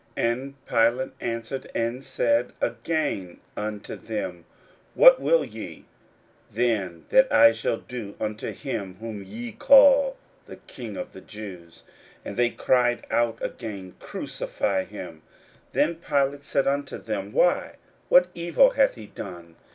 41:015:012 And Pilate answered and said again unto them, What will ye then that I shall do unto him whom ye call the King of the Jews? 41:015:013 And they cried out again, Crucify him. 41:015:014 Then Pilate said unto them, Why, what evil hath he done?